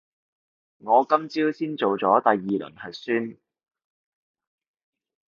我今朝先做咗第二輪核酸